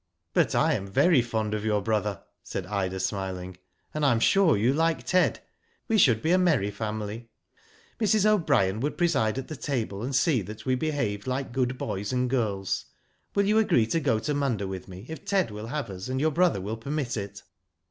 " But I am very fond of your brother," said Ida, smiling, "and I am sure you like Ted. We should be a merry family. Mrs. O'Brien would preside at the table, and see that we behaved like good boys and girls. Will you agree to go to Munda with me if Ted will have us, and your brother will permit it?"